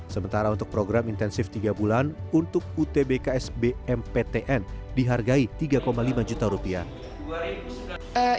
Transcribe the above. sementara untuk program intensif tiga bulan untuk utbks bmptn dihargai tiga lima juta rupiah